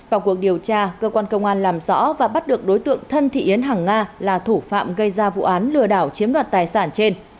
vào cuộc điều tra cơ quan công an làm rõ và bắt được đối tượng thân thị yến hàng nga là thủ phạm gây ra vụ án lừa đảo chiếm đoạt tài sản trên